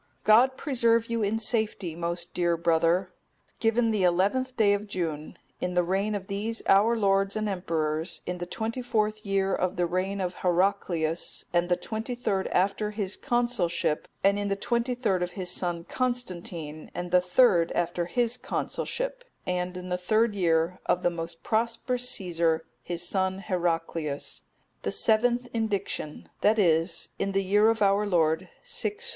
God preserve you in safety, most dear brother! Given the 11th day of June, in the reign of these our lords and emperors, in the twenty fourth year of the reign of Heraclius, and the twenty third after his consulship; and in the twenty third of his son Constantine, and the third after his consulship; and in the third year of the most prosperous Caesar, his son Heraclius,(262) the seventh indiction; that is, in the year of our Lord, 634."